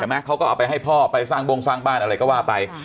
เขาก็เอาไปให้พ่อไปสร้างโบ้งสร้างบ้านอะไรก็ว่าไป